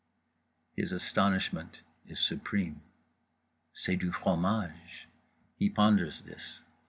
_" his astonishment is supreme. C'est du fromage. He ponders this.